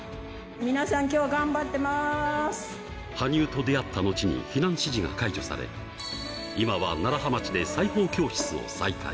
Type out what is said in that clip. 皆さん、きょう、頑張ってま羽生と出会った後に、避難指示が解除され、今は楢葉町で裁縫教室を再開。